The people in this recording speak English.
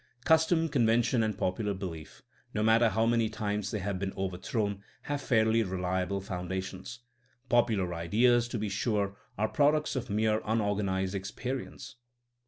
Custom^ convention and popular belief, no matter how many times they have been over thrown, have fairly reliable foundations. Popu lar ideas, to be sure, are products of mere unor ganized experience.